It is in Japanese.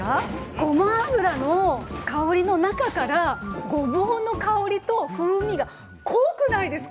ごま油の香りの中からごぼうの香りとねぎの風味が濃くないですか？